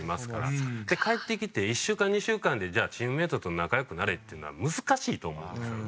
で帰ってきて１週間２週間でじゃあチームメイトと仲良くなれっていうのは難しいと思うんですよね。